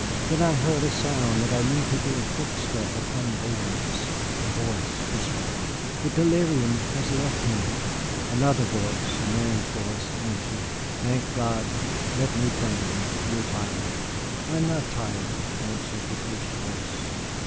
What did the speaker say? Then I heard a sound that I knew to be a footstep upon boards. A voice whispered: "The delirium has left him." Another voice, a man's voice, answered: "Thank God! Let me fan him. You are tired." "I am not tired," answered the first voice.